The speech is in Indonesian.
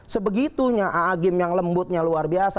sebegitunya agim yang lembutnya luar biasa